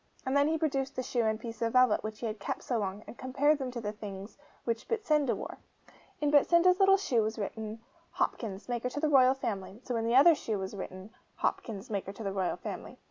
And then he produced the shoe and piece of velvet which he had kept so long, and compared them with the things which Betsinda wore. In Betsinda's little shoe was written, 'Hopkins, maker to the Royal Family'; so in the other shoe was written, 'Hopkins, maker to the Royal Family.